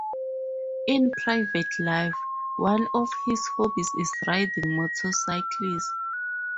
In private life, one of his hobbies is riding motorcycles.